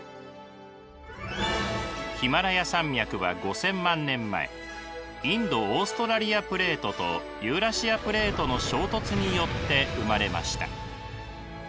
ヒマラヤ山脈は５，０００万年前インド・オーストラリアプレートとユーラシアプレートの衝突によって生まれました。